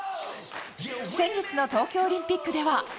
先月の東京オリンピックでは。